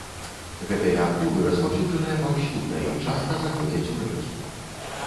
Гэтыя акулы распаўсюджаныя паўсюдна і часта заходзяць у рэкі.